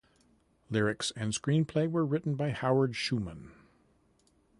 Lyrics and screenplay were written by Howard Schuman.